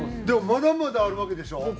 でもまだまだあるわけでしょ？